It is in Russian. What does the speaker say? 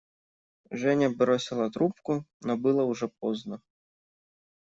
Женя бросила трубку, но было уже поздно.